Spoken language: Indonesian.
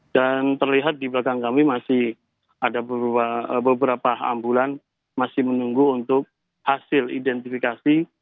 dan terlihat di belakang kami masih ada beberapa ambulan masih menunggu untuk hasil identifikasi